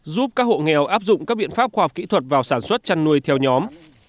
giúp các hộ nghèo áp dụng các biện pháp khoa học kỹ thuật vào sản xuất chăn nuôi theo nhóm